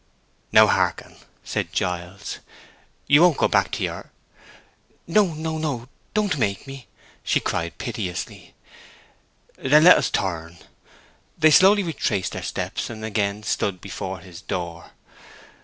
"Now hearken," said Giles. "You won't—go back to your—" "No, no, no! Don't make me!" she cried, piteously. "Then let us turn." They slowly retraced their steps, and again stood before his door.